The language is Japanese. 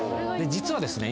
実はですね